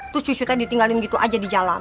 terus cucunya ditinggalin gitu aja di jalan